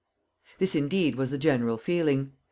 This, indeed, was the general feeling.